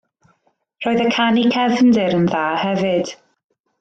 Roedd y canu cefndir yn dda hefyd.